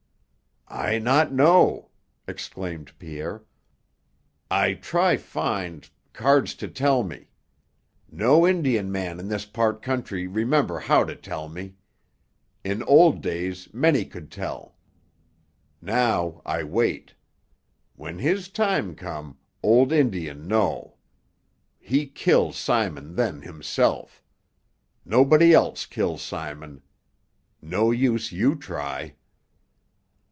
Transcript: "I not know!" exclaimed Pierre. "I try find cards to tell me. No Indian man in this part country remember how to tell me. In old days many could tell. Now I wait. When his time come, old Indian know. He kill Simon then himself. Nobody else kill Simon. No use you try."